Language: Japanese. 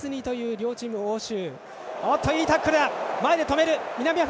両チームの応酬。